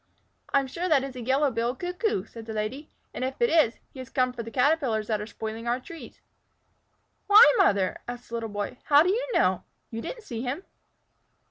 "I am sure that is a Yellow billed Cuckoo," said the Lady, "and if it is, he has come for the Caterpillars that are spoiling our trees." "Why, Mother?" asked the Little Boy. "How do you know? You didn't see him."